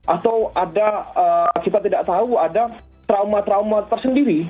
atau ada kita tidak tahu ada trauma trauma tersendiri